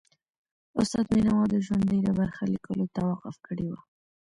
استاد بینوا د ژوند ډېره برخه لیکلو ته وقف کړي وه.